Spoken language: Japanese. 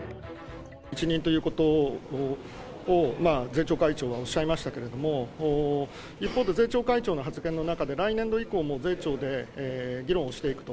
一任ということを税調会長がおっしゃいましたけれども、一方で、税調会長の発言の中で、来年度以降も税調で議論をしていくと。